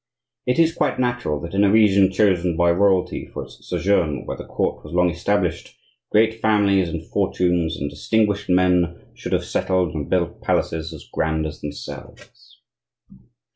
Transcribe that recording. It is quite natural that in a region chosen by Royalty for its sojourn, where the court was long established, great families and fortunes and distinguished men should have settled and built palaces as grand as themselves."